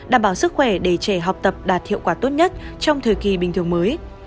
đảm bảo sức khỏe để trẻ học tập đạt hiệu quả tốt nhất trong thời kỳ bình thường mới